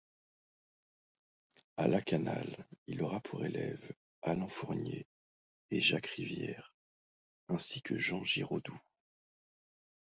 À Lakanal il aura pour élèves Alain-Fournier et Jacques Rivière, ainsi que Jean Giraudoux.